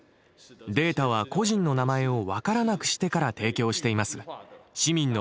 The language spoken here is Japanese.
データは個人の名前を分からなくしてから提供しています。